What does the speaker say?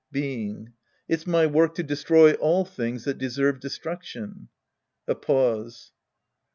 Being. It's my work to destroy all things that deserve destruction. (A pause.)